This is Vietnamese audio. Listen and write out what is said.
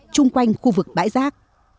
chung quanh khu vực bãi rác